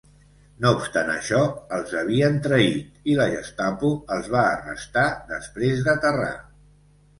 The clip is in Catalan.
No obstant això, els havien traït i la Gestapo els va arrestar després d"aterrar.